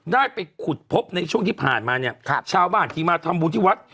ได้ไปขุดพบในช่วงที่ผ่านมาเนี่ยชาวบ้านที่มาทำบุญที่วัด